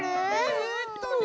えっとね。